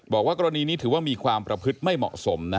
บอกว่ากรณีนี้ถือว่ามีความประพฤติไม่เหมาะสม